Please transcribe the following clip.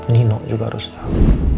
nino juga harus tahu